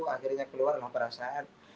akhirnya keluarlah perasaan